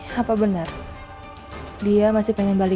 jangan lupa like share dan subscribe ya